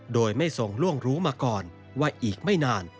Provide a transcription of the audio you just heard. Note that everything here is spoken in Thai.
โดยไม่ทรงล่วงรู้มาก่อนว่าอีกไม่นาน